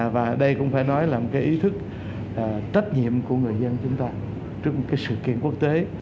và đây cũng phải nói là một cái ý thức trách nhiệm của người dân chúng ta trước một cái sự kiện quốc tế